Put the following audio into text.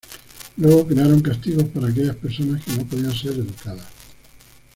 Luego crearon castigos para aquellas personas que no podían ser educadas.